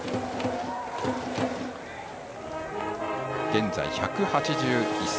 現在、１８１ｃｍ。